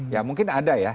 ya mungkin ada ya